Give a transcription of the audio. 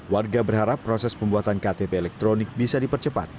warga berharap proses pembuatan ktp elektronik bisa dipercepat